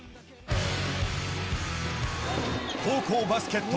高校バスケット